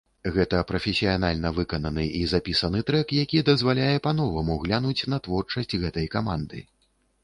Гэта прафесіянальна выкананы і запісаны трэк, які дазваляе па-новаму глянуць на творчасць гэтай каманды.